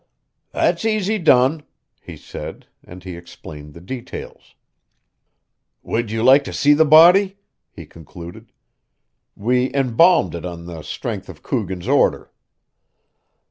"That's easy done," he said; and he explained the details. "Would you like to see the body?" he concluded. "We embalmed it on the strength of Coogan's order."